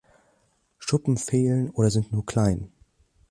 Schuppen fehlen oder sind nur klein.